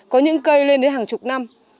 có những cây lên đến hàng chục năm